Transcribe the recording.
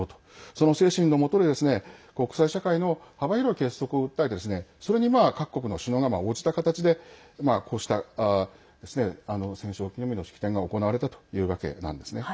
その精神のもとで国際社会の幅広い結束を訴えてそれに各国の首脳が応じた形でこうした戦勝記念日の式典が行われたというわけなんですね。